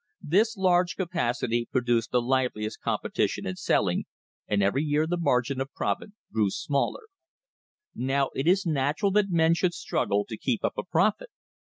This large capacity produced the liveliest competition in selling, and every year the margin of profit grew smaller. Now it is natural that men should struggle to keep up a profit.